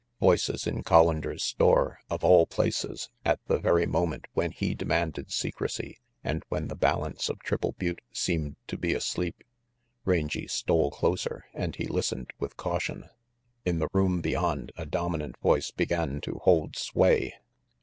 Voices in (Hollander's store, of all places, at the very moment when he demanded secrecy and when the balance of Triple Butte seemed to be asleep! Rangy stole closer and he listened with caution. In the room beyond a dominant voice began to hold sway.